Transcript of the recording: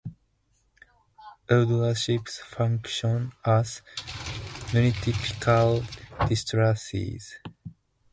Elderships function as municipal districts.